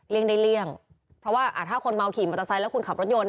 ได้เลี่ยงเพราะว่าถ้าคนเมาขี่มอเตอร์ไซค์แล้วคุณขับรถยนต์